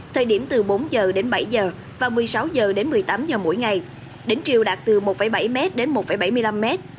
thời điểm từ bốn h đến bảy h và một mươi sáu h đến một mươi tám h mỗi ngày đỉnh chiều đạt từ một bảy m đến một bảy mươi năm m